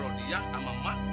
rodia sama mak